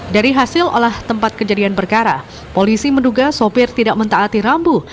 dari hasil olah tempat kejadian perkara polisi menduga sopir tidak mentaati rambu